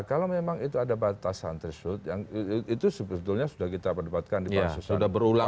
kalau memang itu ada batasan tersebut itu sebetulnya sudah kita perdukatkan di prosesan